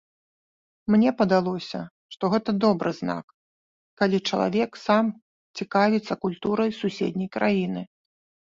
Мне падалося, што гэта добры знак, калі чалавек сам цікавіцца культурай суседняй краіны.